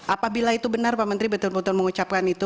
apabila itu benar pak menteri betul betul mengucapkan itu